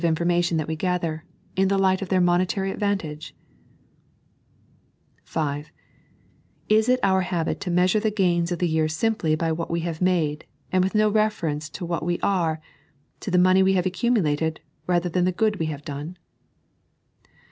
infonnation that we gather — in the light of their monetary advantage t (S) la it our habit to meaaura the gains of the year simply by what we have made, and with no reference to what we are, to the money we have accumulated, rather than the good we have done